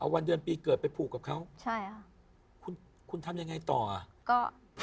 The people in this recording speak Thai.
เอาวันเดือนปีเกิดไปผูกกับเขาคุณทำยังไงต่อก็